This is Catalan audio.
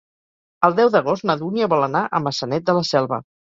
El deu d'agost na Dúnia vol anar a Maçanet de la Selva.